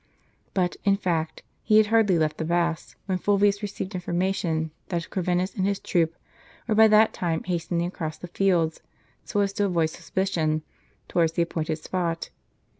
But, in fact, he had hai'dly left the baths, when Fulvius received information that Corvinus and his troop were by that time hastening across the fields, so as to avoid suspicion, towards the appointed spot.